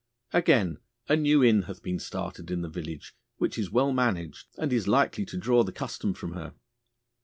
Again, a new inn hath been started in the village, which is well managed, and is like to draw the custom from her.